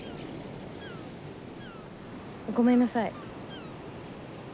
ごめんなさい。